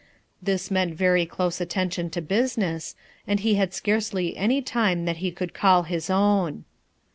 This meant very close attention to business, and he had scarcely any time that he could call his own.